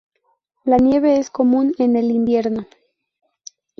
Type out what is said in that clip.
La nieve es común en el invierno.